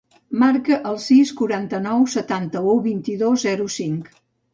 Marca el sis, quaranta-nou, setanta-u, vint-i-dos, zero, cinc.